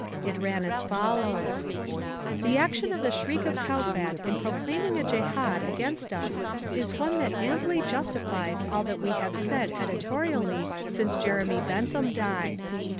It ran as follows: "The action of the Shriek of Kowfat in proclaiming a Jehad against us is one that amply justifies all that we have said editorially since Jeremy Bentham died.